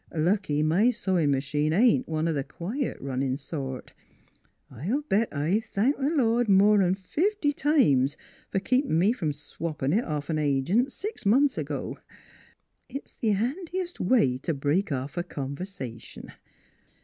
Lucky my sewin' m'chine ain't one of th' quiet runnin' sort. I'll bet I've thanked th' Lord more 'n fifty times fer keepin' me from swappin' it off t' an agent six months ago. It's th' handiest way to break off a conversation.